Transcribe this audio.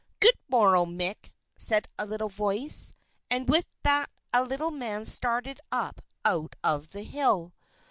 "Good morrow, Mick!" said a little voice, and with that a little man started up out of the hill.